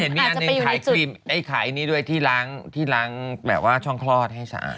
เห็นมีอันนึงได้ขายอันนี้ด้วยที่ล้างแบบว่าช่องคลอดให้สะอาด